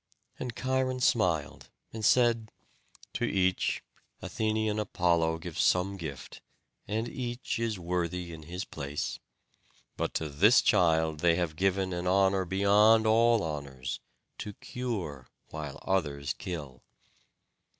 And Cheiron smiled, and said: "To each Athené and Apollo give some gift, and each is worthy in his place; but to this child they have given an honour beyond all honours, to cure while others kill."